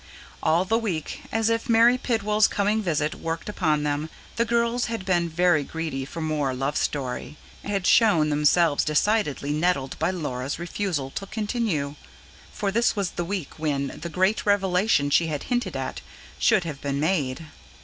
All the week, as if Mary Pidwall's coming visit worked upon them, the girls had been very greedy for more love story, and had shown themselves decidedly nettled by Laura's refusal to continue; for this was the week when the great revelation she had hinted at should have been made.